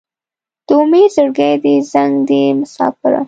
د امید زړګی دې زنګ دی مساپره